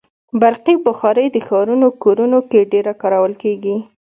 برقي بخاري د ښارونو کورونو کې ډېره کارول کېږي.